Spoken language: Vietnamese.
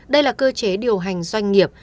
đây là cơ chế điều hành doanh nghiệp